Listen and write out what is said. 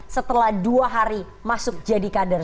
setelah dua hari masuk jadi kader